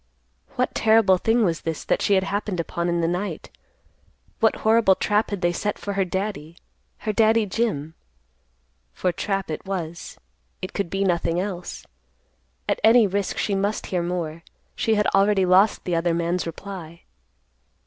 What terrible thing was this that she had happened upon in the night? What horrible trap had they set for her Daddy, her Daddy Jim? For trap it was. It could be nothing else. At any risk she must hear more. She had already lost the other man's reply.